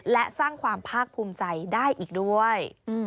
และสร้างความภาคภูมิใจได้อีกด้วย